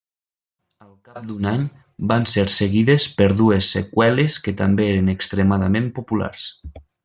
Al cap d'un any, van ser seguides per dues seqüeles que també eren extremadament populars.